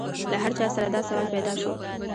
له هر چا سره دا سوال پیدا شو.